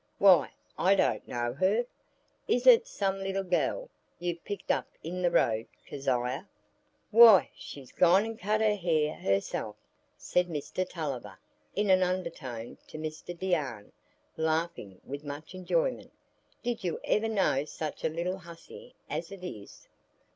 Why, I don't know her. Is it some little gell you've picked up in the road, Kezia?" "Why, she's gone and cut her hair herself," said Mr Tulliver in an undertone to Mr Deane, laughing with much enjoyment. "Did you ever know such a little hussy as it is?"